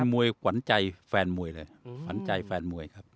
มวยขวัญใจแฟนมวยเลยขวัญใจแฟนมวยครับ